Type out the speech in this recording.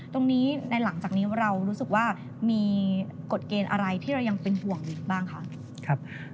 ตรงนี้ในหลังจากนี้เรารู้สึกว่ามีกฎเกณฑ์อะไรที่เรายังเป็นห่วงอีกบ้างคะ